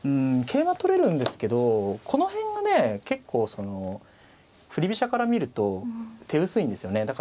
桂馬取れるんですけどこの辺がね結構その振り飛車から見ると手薄いんですよね。